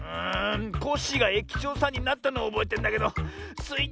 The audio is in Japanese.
コッシーがえきちょうさんになったのはおぼえてんだけどスイ